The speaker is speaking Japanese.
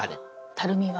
たるみは？